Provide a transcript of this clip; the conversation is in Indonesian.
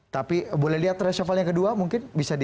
tapi boleh lihat reshuffle yang kedua mungkin bisa di